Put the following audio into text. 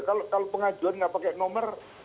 kalau pengajuan nggak pakai nomor